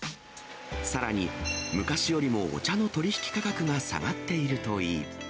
さらに、昔よりもお茶の取り引き価格が下がっているといい。